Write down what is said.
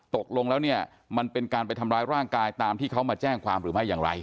ตกลงแล้วเนี่ยมันเป็นการไปทำร้ายร่างกายตามที่เขามาแจ้งความหรือไม่อย่างไร